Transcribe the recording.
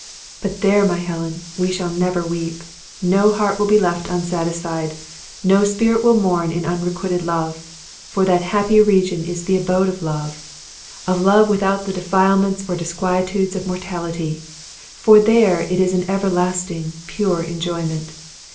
But there, my Helen, we shall never weep. No heart will be left unsatisfied; no spirit will mourn in unrequited love, for that happy region is the abode of love of love without the defilements or the disquietudes of mortality, for there it is an everlasting, pure enjoyment.